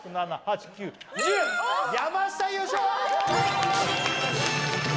山下優勝！